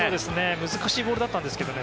難しいボールだったんですけどね。